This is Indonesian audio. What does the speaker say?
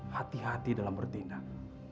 hati hati dalam bertindak